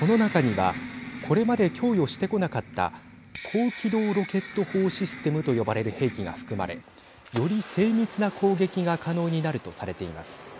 この中にはこれまで供与してこなかった高機動ロケット砲システムと呼ばれる兵器が含まれより精密な攻撃が可能になるとされています。